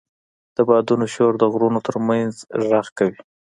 د بادونو شور د غرونو تر منځ غږ کوي.